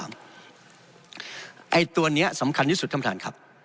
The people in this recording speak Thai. ไอ้ตัวนี้สำคัญที่สุดคันฐาน